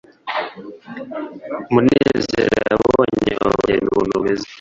munezero yabonye abo bageni ukuntu bameze,